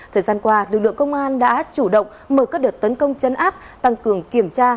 thời gian qua lực lượng công an đã chủ động mở các đợt tấn công chấn áp tăng cường kiểm tra